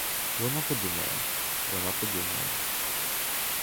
Вона подумає, вона подумає.